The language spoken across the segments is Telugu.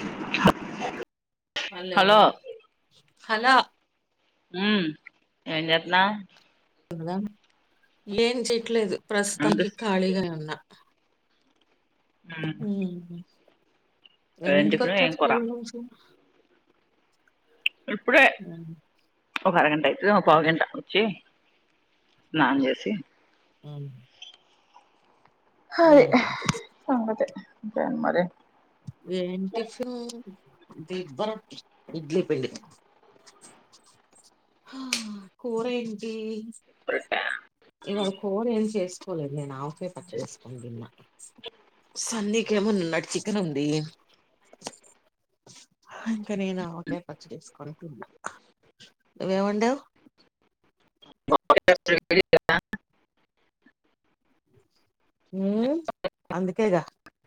దప్ చెప్పీ ఇ హలో హలో ఉమ్మ్ ఏం చేత్తున్న లేదు చెయట్లేదు ప్రస్తుతానికి అనిపిస్ ఖాళీగానే ఉన్నా మీ ఏం ఎన్నింటికి టిఫిను ఏం వచ్చావ్ కూర స్కూల్ నుంచి ఇప్పుడే ఉమ్ ఒక అరగంట అయితదైమో పావు గంట వచ్చి స్నానం చేసి ఊమ్ ఉమ్. ఇంకేటి మరి ఏం టిఫిన్ దిబ్బరొట్టె ఇడ్లీ పిండితో హ కూరేంటి రొట్టా ఇవాళ కూర ఏం చేస్ తు నేను ఆవకాయ పచ్చడేసుకునీ తిన్న సన్నీకేమో నిన్నటి చికెన్ ఉంది హ ఇంకా నేను ఆవకాయ పచ్చడేసుకుని తిన్న కూయియి నువ్వు ఏం వండావ్ పరథర్ లీ ఉమ్ అందుకేగా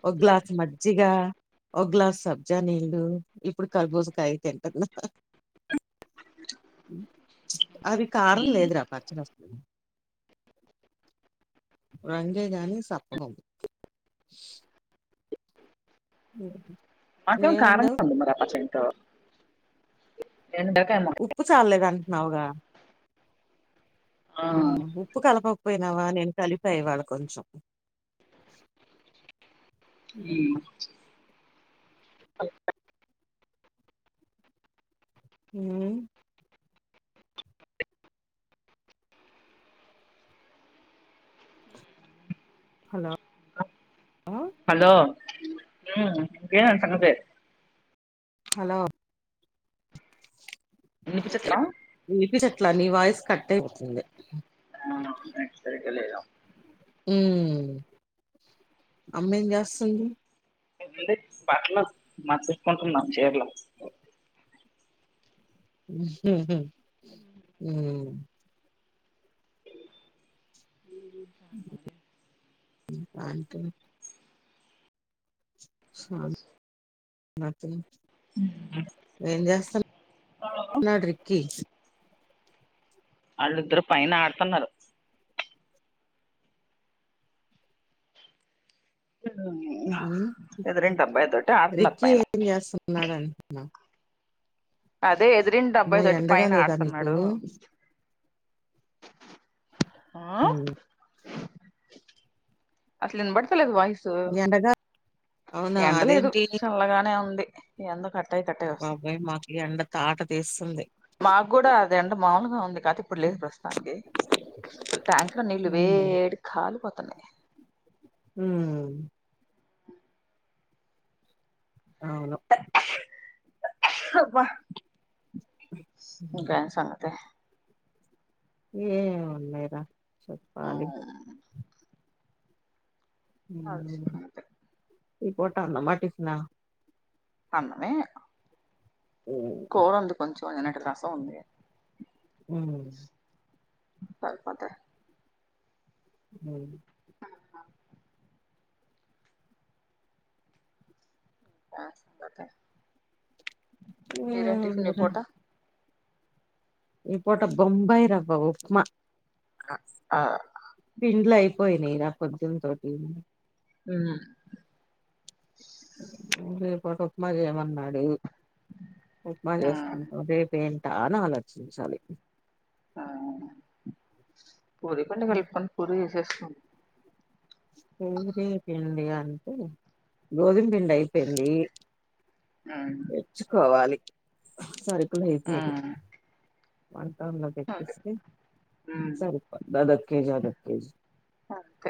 ఒక గ్లాసు మజ్జిగ ఒక గ్లాస్ సబ్జా నీళ్లు ఇప్పుడు కర్బూజకాయ తింటున్న ఉమ్ అవి కారం లేదురా పచ్చడసలు రంగే గాని సప్పగ ఉంది ఉహు మొత్తం కారంగా ఉంది ఆ పచ్చడితో ఎండకేమో ఉప్పు చాల్లేదు అంటున్నావుగా ఆ ఉప్పు కలపకపోయినావా నేను కలిపా ఇవాళ కొంచెం ఈ ఊమ్ హలో హలో ఇంకేంటి సంగతి హలో వినిపిన్చట్ల వినిపించట్ల నీ వాయిస్ కట్ అయితుంది అవును నెట్ సరిగలేదా అమ్మేం చేస్తుంది టే బట్టలు మార్తేసుకుంటున్నాం చీరలు హా హా అకె స ఏం చేస్తున్నాడు రిక్కీ వాళ్ళు ఇద్దరు పైన ఆడుతున్నారు ఊ రిక్కీ పైన ఏం చేస్తున్నాడు అంటున్నా అదే ఎదురింటి అమ్మో అబ్బాయి తోటి ఎండగా పైన లేదా మీకు ఆడుతున్నాడు ఆ అట్ల వినబడుతలేదు వాయిస్ ఎండక ఎండలేదు చల్లగానే ఉంది ఎ [unintelligible] బాబాయ్ మాకు ఎండ తాట తీస్తుంది మాకు కూడ అది ఎండ మామములుగా ఉంది కాదా ఇప్పుడు లేదు ప్రస్తుతం ట్యాంకు లో నీళ్లు వేడి కాలిపోతున్నాయి ఉ అవును ఇంకా ఏంటి సంగతీ ఏ ఉన్నయిరా చెప్పాలి అది సంగతి ఈ పూట అన్నమా [unintelligible] అన్నమే కూర ఉంది కొంచెం నిన్నటి రసం ఉంది ఉ సరిపోత [unintelligible] హు [unintelligible] మీరెం టిఫిన్ ఈ ఏముందిరా పూట ఈ పోట బొంబై రావ్వ ఉప్మా హఆ పిండ్లు అయిపోయినాయిర [unintelligible] హమ్ రేపటి ఉప్మా చేయమన్నాడు ఉప్మ ఉమ్ చేసుకుంటాం రే ఏంటా అని ఆలోచించించాలి పూరి పిండి కలుపుకొని [unintelligible] పవరే పిండి అంటే గోధుమ పిండి అయి [unintelligible] ఉమ్ తేచ్చుకోవాలి మరి ఉమ్ [unintelligible] అంతే తెప్పస్తే ఉమ్ సరి [unintelligible] అంతే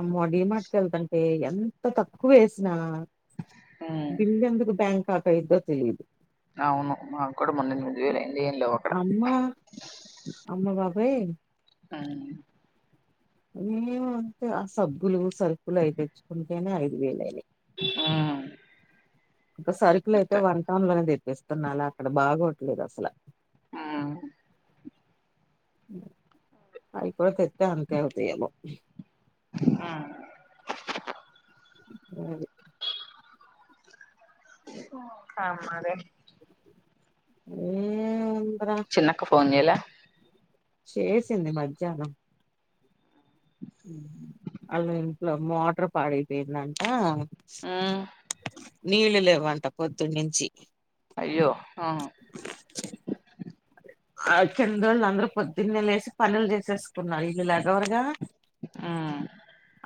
అమ్మో డిమార్ట్కి వెళ్దంటే ఎంత తక్కువ వేసిన హు [unintelligible] ఎందుకు బ్యాంక్ ఖాతా ఇద్దో తెలియదు ఆవును మా కూడ [unintelligible] అమ్మ అమ్మ బాబోయ్ హా మేము అంటే ఆ సబ్బులు సరుకులు అయి తెచ్చుకుంటేనే ఐదు వేలాయినాయి హా ఇంకా సరుకులు అయితే వన్ టౌన్ లో అనేది తెప్పిస్తున్నాలా అక్కడ బాగోట్లేదు అసలు ఆ [unintelligible] కొత్తే అంతే అవుతయేమో. ఆ [unintelligible] ఆ మరి ఏముందిర చిన్నక్క ఫోన్ చేయల చేేసింది మధ్యాహ్నం వాళ్ళ ఇంట్లో మోటర్ పాడైపోయిందంట ఉమ్ నీళ్ళు లేవంట పొద్దున్నుంచి అయ్యో ఆ ఆ కిందోళ్ళందరు పొద్దున్నే లేసి పనులు చేసేసుకున్నారు ఇలా లెగవరుగా ఆ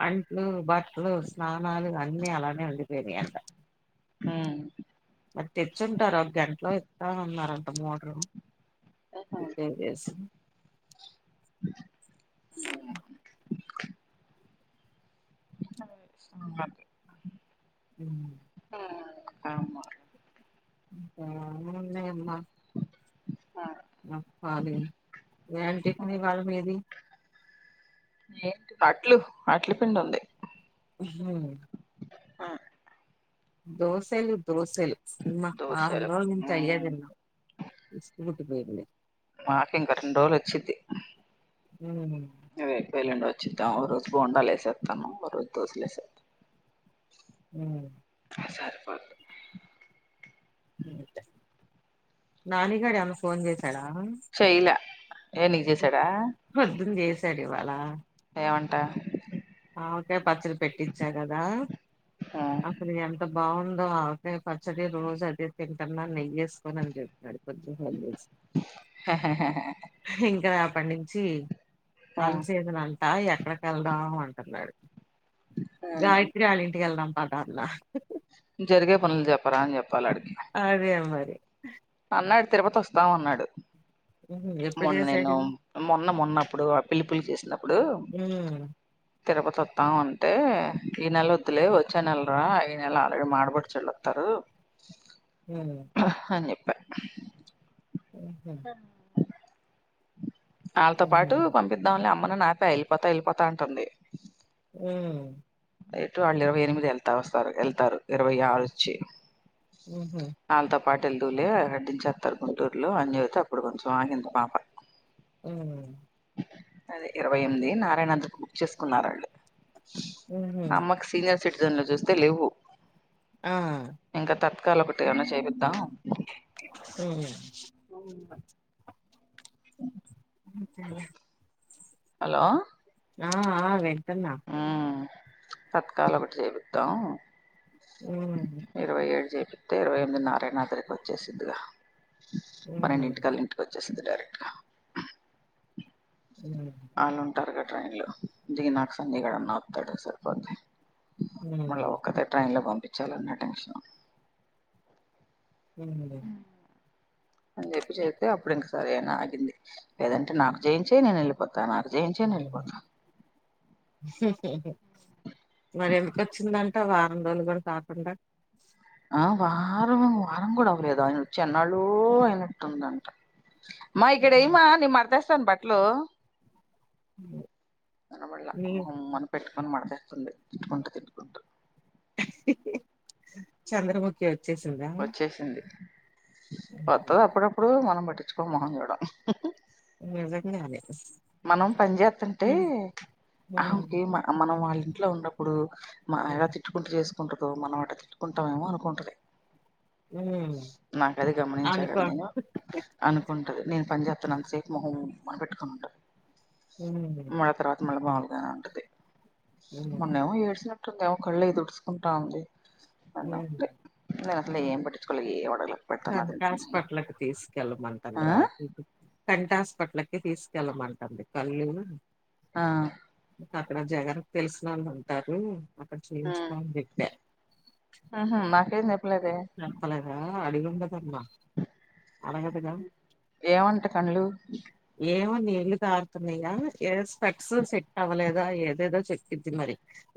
అంట్లు బట్లు స్నానాలు అన్నీ అలానే ఉండిపోనయంట ఊ మరి తెచ్చుంటారు ఒక గంటలో ఇత్తామన్నారంట మోటరు ఉహు ఇంకా ఏం చేసి సుమంత్ ఊ హాయ్ అమ్ము ఇంకా ఏమున్నయమ్మా ఆ చెప్పాలి ఏం టిఫిని ఇవ్వాళ్ళ మీది ఏంటి అట్లు అట్ల పిండి ఉంది ఊహు అ దోశలు దోసలు అమ్మా వారం దోశలు రోజుల నుంచి ఉమ్ అయ్యేదిన్నం ఇస్కుట్టిపోయింది మాకు ఇంకా రెండు రోజులు వచ్చిద్ది ఊ రేప్ ఎల్లుండి వచ్చిద్ద ఒక రోజు బోండ లేసేత్తాను ఓరోజు దోసలే ఏసేత ఊ అ సరిపోద్ ఇంతే నానిగాడు ఏమన్నా ఫోన్ చేశాడా చేయ్లా ఏ నీగ్ చేసాడా పొద్దున్ చేసాడు ఇవాళ ఏమంట మామిడికాయ పచ్చడి పెట్టిచ్చా కదా ఉమ్ అసలిగా ఎంత బాగుందో ఆవకాయ పచ్చడి రోజు అదే తింటున్నా నెయ్యేసుకోని అని చెప్పాడు కొంచెం నెయ్యేసి ఇంకా రేపటినుంచి అన్ ఉమ్ సీజన్ అంటా ఎక్కడకి వెళ్దాం అన్ అన్నాడు గాయత్రి ఆళ్ళ ఇంటికి వెళ్దాం పదా అన్న జరిగే పనులు చెప్పరా అని చెప్పాలాడికి అదే మరి అన్నాడు తిరుపతి వస్తాం అన్నాడు ఉహు ఎప్పుడు మొన్న నేను చేసాడు మొన్న మొన్నప్పుడు ఆ పిల్ల పెళ్ళి చేసినప్పుడు ఊ తిరుపతోద్దాం అంటే ఈ నెల వద్దులే వచ్చా నెలరా ఈ నెల ఆల్రెడీ మా ఆడ పడుచోళ్ళోత్తారు ఊ అని చెప్పా ఊహు కన్ వాళ్ళతో హుహు. పాటు పంపిద్దాంలే అమ్మని నాపే వెళ్ళిపోతా వెళ్ళిపోతా అంటుంది ఉమ్ ఎటు వాళ్ళు ఇరవై ఎనిమిది వెళ్తా వస్తారు వెళ్తారు ఇరవై ఆరు వచ్చి ఉహు వాళ్ళతో పాటు వెలుదువులే ఆడదిచేస్తారు గుంటూరులో అని చెపితే అప్పుడు కొంచెం ఆగింది పాప ఉమ్ అదే ఇరవై ఎనిమిది నారాయణగకి బుక్ చేసుకున్నారండి హుహు. అమ్మకు సీనియర్ సిటిజన్లో చూస్తే లేవు ఆ ఇంకా తత్కాల ఒకటి ఏమన్నా చేపిద్దాం ఉ అవును స అఓకాే హలో ఆ ఆ వింటున్న తత్కాల ఒకటి చేపిదాము ఉ ఇరవై ఏడు చేపితే ఇరవై ఎనిమిది నారాయణాగరికి వచ్చే సిద్దిగా పన్నెండు హ్మ్. ఇంటికల ఇంటికి వచ్చేస్తుంది డైరెక్ట్గా అ వాళ్ళు ఉంటారు గా ట్రైన్లో దిగినాక సన్నిగాడన్నా వస్తాడు సరిపోది మళ్ళా హ్మ్. ఒక్కతే ట్రైన్లో పంపించాలన్న టెన్షన్ ఉ అని చెప్పి చేతే అప్పుడు ఇంక సరే అని ఆగింది లేదంటే నాకు జయించేయి నేను వెళ్ళిపోత నాకు జయించే వెళ్ళిపోతాను మరి ఎందుకు వచ్చిందంట వారం రోజులు కూడా కాకుండా ఆ వారం వారం కూడా అవ్వలేదు ఆయన వచ్చి ఎన్నాళ్లో అయినట్టుందంట మా ఇక్కడ హ్మ్. ఏయిమా నేను మడతేస్తాను బట్టలు అ కనబల్లె మొహం మనం పెట్టుకొని మడతెట్టుకుంటుంది తిట్కుంటూ తిట్కుంటూ చంద్రముఖి వచ్చేసిందా వచ్చేసింది వస్తది హ్మ్. అప్పుడప్పుడు మనం పట్టించుకో మనం కూడా అదే మనం పని చేస్తంటే అహ హ్మ్. మనం వాళ్ళ ఇంట్లో ఉన్నప్పుడు మా హ్మ్. ఎలా తిట్టుకుంటూ చేసుకుంటుందో మనం అట్ట తిట్టుకుంటామేమో అనుకుంటుది హ్మ్. నాక అది గమనించా కదా అనుకో నేను అనుకుంటుది నేను పని చేేస్తానంతసేపు మొహం ఉమ్ అని పెట్టుకుంటది హ్మ్. మళ్ళ తర్వాత మళ్ళా మాములుగానే ఉంటది హ్మ్. మొన్నేమో ఏడ్ ఉంటుందే ఒక కళ్ళయి తుడుచుకుంటా ఉంది అని హ్మ్. నేను అట్లా ఏం పట్టించుకోలే ఏం అడగలే పెడుతున్నా నాకు తింటున్నా హాస్పిటల్ కి తీసుకెళ్ళమంటుంది రా ఆ కంట హాస్పిటల్కి తీసుకెళ్ళమంటంది కళ్ళు ఆ అక్కడ జగన్ తెలిసిన వాళ్ళు అంటారు అక్కడ చేయించుకో అని చెప్పా ఆహా మాకేం చెప్పలేదే చెప్పలేద అడిగుండదమ్మ అడగదుగా ఏమంట కనులు ఏమో నీళ్లు కారుతున్నాయా ఏ స్పెట్స్ సెట్ అవ్వలేదా ఏదేదో చెప్పిద్ది మరి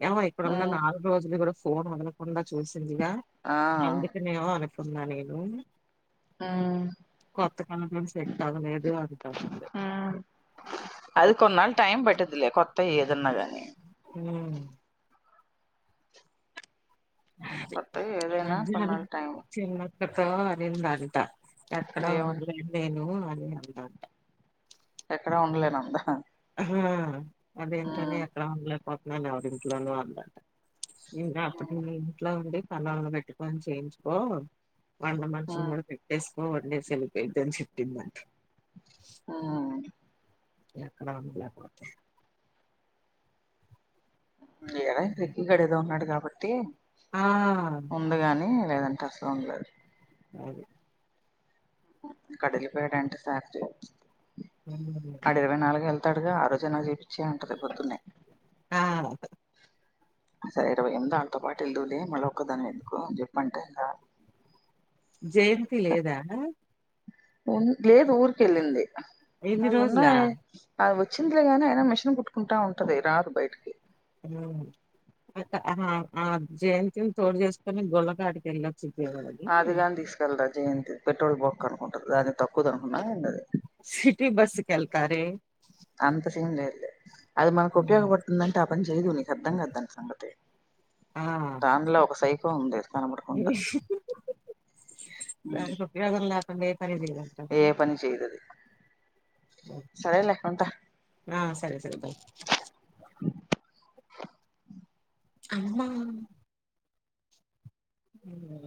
ఏమో ఇప్పుడున్న ఉమ్ నాలుగు రోజులు కూడా ఫోన్ వదల కుండా చూసిందిగా ఆ అందుకని ఏమో అనుకున్నా నేను ఉమ్ కొత్త కన్ను కూడా సెట్ అవ్వలేదు అది ఆహ్ అది కొన్నాళ్ళ టైం పట్దిద్ది లే కొత్త ఏదన్నా గాని ఊ ఆ కొత్తయి ఏదైనా మధ్యాహ్నం కొన్నాళ్ళు టైం తిన్న తో అనిందంట ఎక్కడ ఏమని ఉండలేను నేను అని అంట ఎక్కడ ఉండలేను అందా ఆహా అదేంటోనే ఎక్కడ ఉండలేకపోతున్నా ఎవరింట్లోనూ ఉందట ఇంకా అప్పటి ఇంట్లో ఉండి పనోల్ని పెట్టుకొని చేయించుకో వంట మనిషి ని కూడా పెట్టేసుకో వండేసి వెళ్ళి పోయిద్దని చెప్పిందంట ఊ ఎక్కడ ఉండలేకపోతే ఏమీ లక్కీ గాడు ఏదో ఉన్నాడు కాబట్టి ఆ ఉందిగానీ లేదంటే అస్సలు ఉండలేడు అదే ఆడు ఎళ్ళిపోయాడంట ఫాస్ట్ గా వచ్చి [inaudible] వాడు ఇరవై నాలుగు వెళ్తాడుగా ఆ రోజే నాకు చూపించే అంటది పొద్దున్నే ఆ సరే ఇరవై ఎనిమిది ఆళ్లతో పాటు వెళ్దువులే మళ్ళీ ఒక్కదాని ఎందుకు అని చెప్పంటండా జయంతి లేదా లేదు ఊరికెళ్ళింది ఎన్ని నావి రోజులా ఉన్నాయే అది వచ్చిందిలేగాని అయినా మిషన్ కుట్టుకుంటా ఉంటది రాదు బయటికి అక్క ఆ జయంతిని తోడు చేసుకొని గొల్ల కాటికి వెళ్ళ అదిగాని తీసుకెళ్తా జయంతి పెట్రోల్ బంక్ అనుక్కుంటాది దాన్ని తక్కువది అన్నది సిటీ బస్సుకెళ్తారే అంత సీన్ లేదులే అది మనకు ఉపయోగపడుతుందంటే ఆ పని చేయదు నీకు అర్థం కాదు దాన్ని సంగతి ఆ దానిలో ఒక సైకో ఉంది కనబడకుండా ఉష్ అంతే, దానికి ఉపయోగం లేకుండా ఏ పని చేయదు ఏ పని చేయదది సర్లే ఉంటా ఆ సరే సరే బాయ్ అమ్మ ఉ